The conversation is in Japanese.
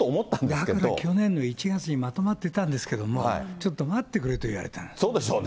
だから去年の１月にまとまってたんですけど、ちょっと待ってそうでしょうね。